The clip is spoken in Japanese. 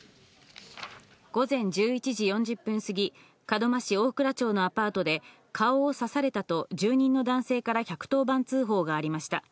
午前１１時４０分過ぎ、門真市大倉町のアパートで、顔を刺されたと住人の男性から１１０番通報がありました。